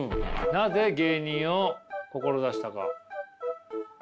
なぜ芸人を志したか。